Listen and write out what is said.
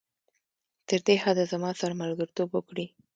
تر دې حده زما سره ملګرتوب وکړي.